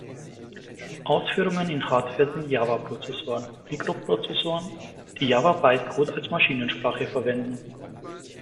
Ausführungen in Hardware sind Java-Prozessoren, Mikroprozessoren, die Java-Bytecode als Maschinensprache verwenden.